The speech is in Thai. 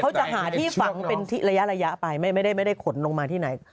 เขาจะหาที่ฝังเป็นระยะไปไม่ได้ขนลงมาที่ไหน